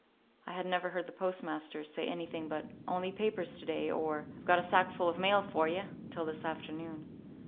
I had never heard the postmaster say anything but "Only papers, to day," or, "I've got a sackful of mail for ye," until this afternoon.